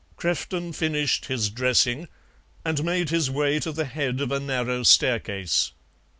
Crefton finished his dressing and made his way to the head of a narrow staircase.